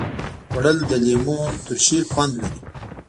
خوړل د لیمو ترشي خوند لري